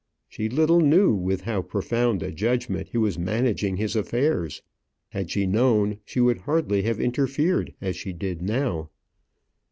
She little knew with how profound a judgment he was managing his affairs. Had she known, she would hardly have interfered as she now did.